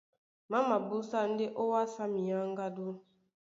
Má mabúsá ndé ówàsá minyáŋgádú.